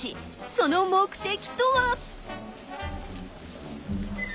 その目的とは。